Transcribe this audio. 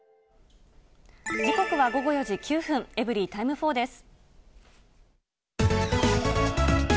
時刻は午後４時９分、エブリィタイム４です。